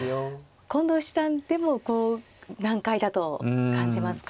近藤七段でも難解だと感じますか？